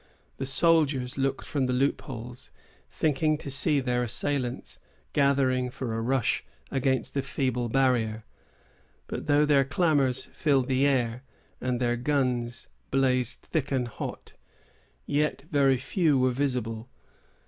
The soldiers looked from the loopholes, thinking to see their assailants gathering for a rush against the feeble barrier. But, though their clamors filled the air, and their guns blazed thick and hot, yet very few were visible.